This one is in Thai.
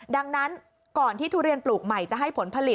ดังนั้นก่อนที่ทุเรียนปลูกใหม่จะให้ผลผลิต